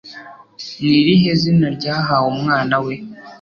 Ni irihe zina ryahawe umwana we